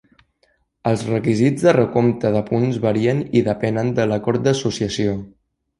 Els requisits de recompte de punts varien i depenen de l'acord d'associació.